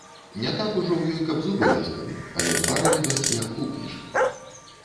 Не так ужо ў ёй, каб зубы ляскалі, але пара відаць, як хукнеш.